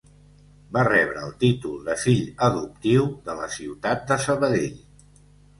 Va rebre el títol de fill adoptiu de la ciutat de Sabadell.